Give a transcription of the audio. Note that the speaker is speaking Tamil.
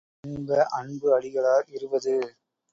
இன்ப அன்பு அடிகளார் இருபது.